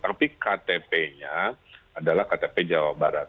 tapi ktp nya adalah ktp jawa barat